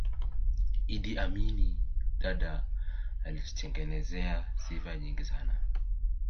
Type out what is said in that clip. iddi amini dadaa alijitengezea sifa nyingi sana